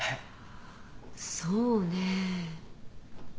そうねえ。